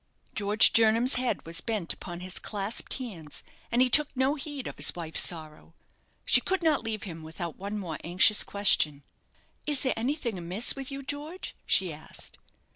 George Jernam's head was bent upon his clasped hands, and he took no heed of his wife's sorrow. She could not leave him without one more anxious question. "Is there anything amiss with you, George?" she asked.